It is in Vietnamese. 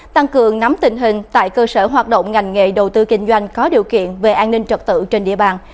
tăng cường nắm tình hình tại cơ sở hoạt động ngành nghề đầu tư kinh doanh có điều kiện về an ninh trật tự trên địa bàn